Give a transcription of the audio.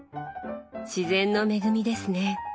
自然の恵みですね。